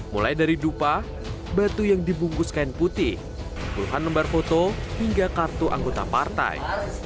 mulai dari dupa batu yang dibungkus kain putih puluhan lembar foto hingga kartu anggota partai